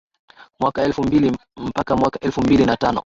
Mwaka elfu mbili mpaka mwaka elfu mbili na tano